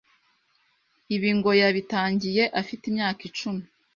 Ibi ngo yabitangiye afite imyaka icumi